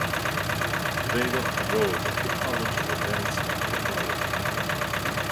Tvede enrolled at the College of Advanced Technology.